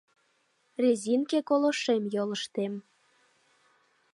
Резинке колошем йолыштем